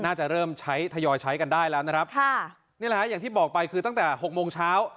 น่าจะเริ่มใช้ทยอยใช้กันได้แล้วนะครับค่ะนี่แหละฮะอย่างที่บอกไปคือตั้งแต่หกโมงเช้า